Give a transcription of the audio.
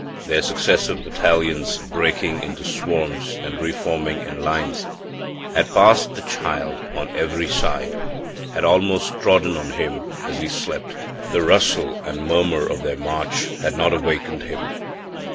Their successive battalions, breaking into swarms and reforming in lines, had passed the child on every side had almost trodden on him as he slept. The rustle and murmur of their march had not awakened him.